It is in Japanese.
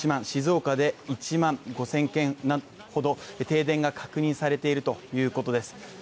静岡で１万５０００軒停電が確認されているということです。